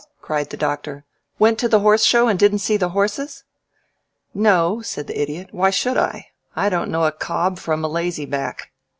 cried the Doctor. "Went to the Horse Show and didn't see the horses?" "No," said the Idiot. "Why should I? I don't know a cob from a lazy back.